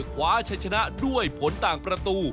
ขวาใช้ชนะด้วยผลต่างประตู